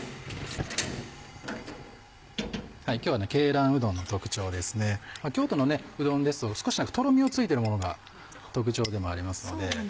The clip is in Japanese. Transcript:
今日は鶏卵うどんの特徴ですね京都のうどんですと少しトロミがついてるものが特徴でもありますので。